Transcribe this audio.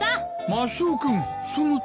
マスオ君その丹前。